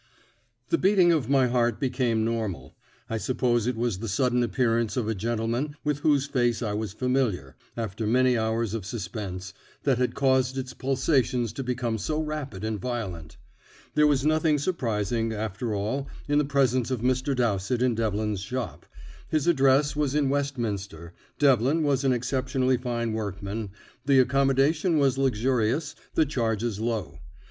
The beating of my heart became normal; I suppose it was the sudden appearance of a gentleman with whose face I was familiar, after many hours of suspense, that had caused its pulsations to become so rapid and violent. There was nothing surprising, after all, in the presence of Mr. Dowsett in Devlin's shop. His address was in Westminster, Devlin was an exceptionally fine workman, the accommodation was luxurious, the charges low.